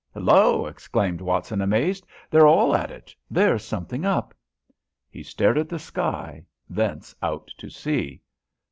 "Hallo!" exclaimed Watson, amazed, "they're all at it. There's something up." He stared at the sky, thence out to sea.